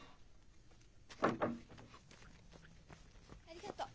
ありがとう。